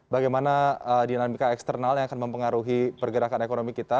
bagaimana dinamika eksternal yang akan mempengaruhi pergerakan ekonomi kita